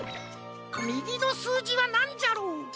みぎのすうじはなんじゃろう？